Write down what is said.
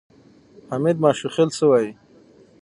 حمید ماشوخېل څه وایي؟